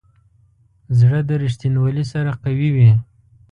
زړه د ریښتینولي سره قوي وي.